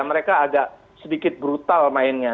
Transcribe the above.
mereka agak sedikit brutal mainnya